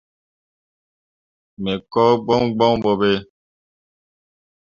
Me ko gboŋ gboŋ ɓo ɓe.